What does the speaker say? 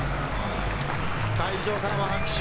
会場からも拍手。